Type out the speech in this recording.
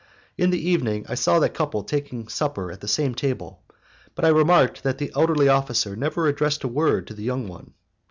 In the evening I saw the couple taking supper at the same table, but I remarked that the elderly officer never addressed a word to the young one.